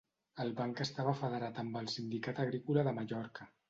El banc estava federat amb el Sindicat Agrícola de Mallorca.